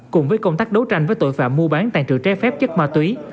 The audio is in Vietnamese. cùng với công tác đấu tranh với tội phạm mua bán tàn trự trái phép chất ma túy